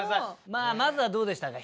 まあまずはどうでしたか？